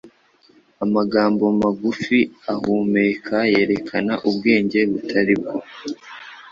Amagambo magufi ahumeka yerekana ubwenge butari bwo